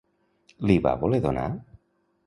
Li va voler donar?